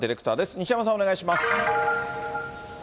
西山さん、お願いします。